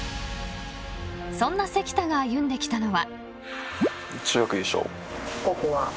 ［そんな関田が歩んできたのは］